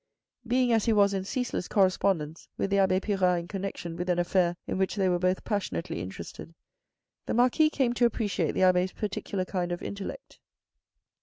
Being as he was in ceaseless correspond ence with the abbe Pirard in connection with an affair in which they were both passionately interested, the Marquis came to appreciate the abbe's particular kind of intellect.